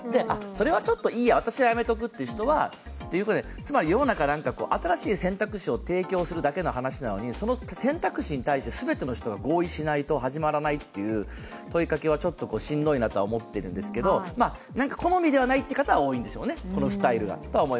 それはちょっといいや、私はやめておくという人、つまり世の中、新しい選択肢を提供するだけの話なのに、その選択肢を全ての人が合意しないと始まらないという問いかけはちょっとしんどいなと思うんですけれども、好みではないという方が多いんでしょうね、このスタイルは。